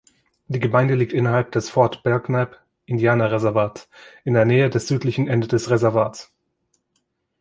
Die Gemeinde liegt innerhalb des Fort Belknap Indianerreservats, in der Nähe des südlichen Endes des Reservats.